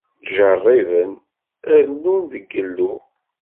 Ttjeṛṛiben rennun deg Yillu.